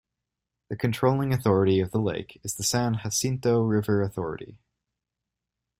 The controlling authority of the lake is the San Jacinto River Authority.